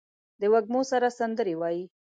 د وږمو سره سندرې وايي